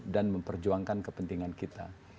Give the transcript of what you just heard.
dan memperjuangkan kepentingan kita